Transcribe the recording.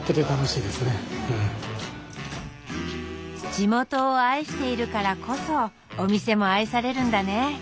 地元を愛しているからこそお店も愛されるんだね。